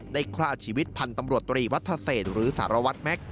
ฆ่าชีวิตพันธ์ตำรวจตรีวัฒเศษหรือสารวัตรแม็กซ